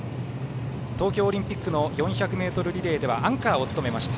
東京オリンピックの４００ｍリレーではアンカーを務めました。